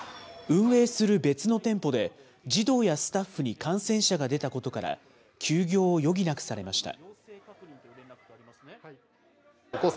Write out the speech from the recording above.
運営する別の店舗で児童やスタッフに感染者が出たことから、休業を余儀なくされました。